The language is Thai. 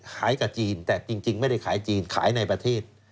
กับจีนแต่จริงไม่ได้ขายจีนขายในประเทศ